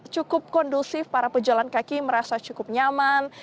cukup kondusif para pejalan kaki merasa cukup nyaman